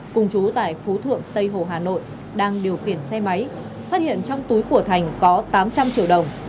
cùng chú tại phú thượng tây hồ hà nội đang điều khiển xe máy phát hiện trong túi của thành có tám trăm linh triệu đồng